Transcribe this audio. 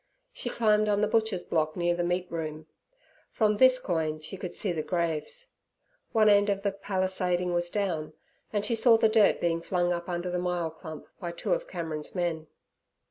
She climbed on the butcher's block near the meat room; from this coign she could see the graves. One end of the palisading was down, and she saw the dirt being flung up under the myall clump by two of Cameron's men.